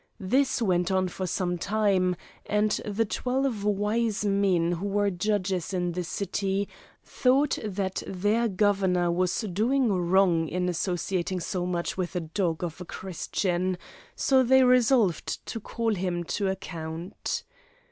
This went on for some time, and the twelve wise men who were judges in the city thought that their Governor was doing wrong in associating so much with a dog of a Christian; so they resolved to call him to account.